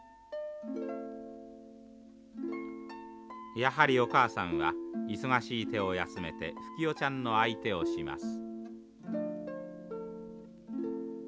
やはりお母さんは忙しい手を休めてふき代ちゃんの相手をします。